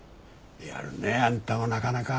やるねあんたもなかなか。